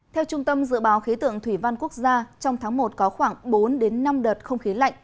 theo trung tâm dự báo khí tượng thủy văn quốc gia trong tháng một có khoảng bốn năm đợt không khí lạnh